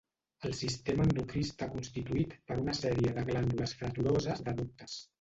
El sistema endocrí està constituït per una sèrie de glàndules freturoses de ductes.